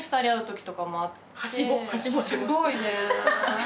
すごいね。